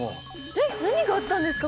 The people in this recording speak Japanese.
えっ何があったんですか？